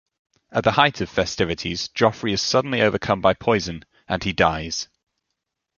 At the height of festivities Joffrey is suddenly overcome by poison, and he dies.